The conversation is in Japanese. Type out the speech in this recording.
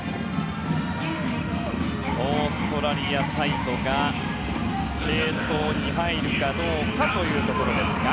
オーストラリアサイドが継投に入るかどうかですが。